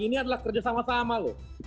ini adalah kerjasama sama sama loh